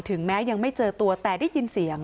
แม้ยังไม่เจอตัวแต่ได้ยินเสียง